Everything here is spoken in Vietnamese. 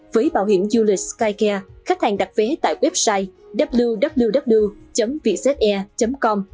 với bảo hiểm du lịch skycare khách hàng đặt vé tại website www vietjetair com